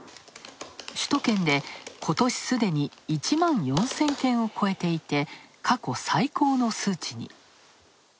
首都圏で、ことし、すでに１万４０００件を超えていて、過去最高の数値に。